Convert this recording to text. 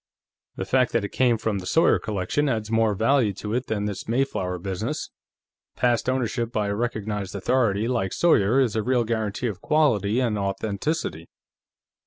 "The fact that it came from the Sawyer collection adds more value to it than this Mayflower business. Past ownership by a recognized authority like Sawyer is a real guarantee of quality and authenticity.